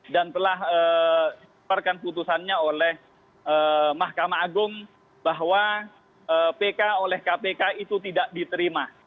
dan telah menyebarkan putusannya oleh mahkamah agung bahwa pk oleh kpk itu tidak diterima